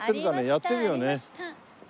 やってるよね？